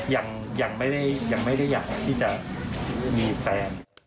ยังไม่ได้อยากที่จะมีแฟน